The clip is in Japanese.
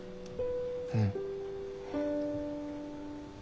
うん。